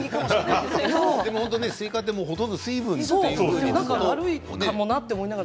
でも、スイカってほとんど水分という。